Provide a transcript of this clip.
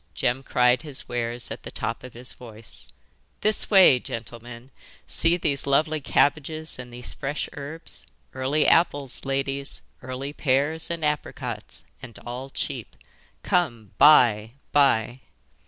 Jem cried his wares at the top of his voice: 'This way, gentlemen! See these lovely cabbages and these fresh herbs! Early apples, ladies; early pears and apricots, and all cheap. Come, buy, buy!